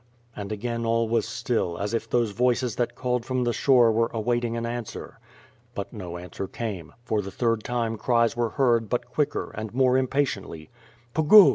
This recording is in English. And again all was still, as if those voices that called from the shore were awaiting an answer. But no answer came; for the third time cries were heard but quicker, and more impatiently. Pugu!